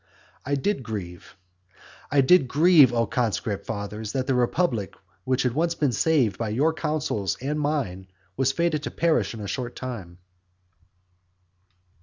I did grieve, I did grieve, O conscript fathers, that the republic which had once been saved by your counsels and mine, was fated to perish in a short time.